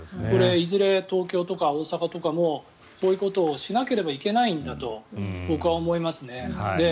これ、いずれ東京とか大阪とかもそういうことをしなければいけないんだと僕は思いますね。